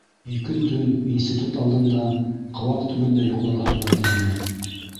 Ике төн институт алдында, ҡыуаҡ төбөндә йоҡларға тура килде.